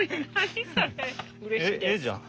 ええじゃん。